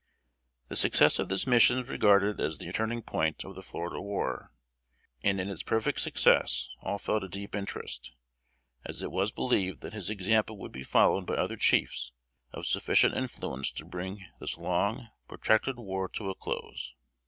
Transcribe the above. The success of this mission was regarded as the turning point of the Florida War, and in its perfect success all felt a deep interest; as it was believed that his example would be followed by other chiefs of sufficient influence to bring this long protracted war to a close.